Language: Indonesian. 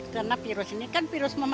karena virus ini kan virus memahami